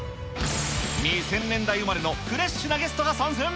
２０００年代生まれのフレッシュなゲストが参戦。